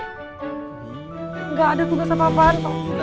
gak ada tugas apa apaan